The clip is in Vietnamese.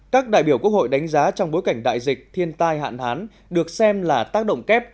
các đại biểu quốc hội đánh giá trong bối cảnh đại dịch thiên tai hạn hán được xem là tác động kép